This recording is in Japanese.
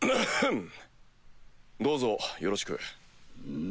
どうぞよろしく。